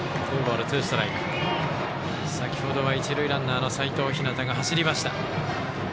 先ほどは一塁ランナーの齋藤陽が走りました。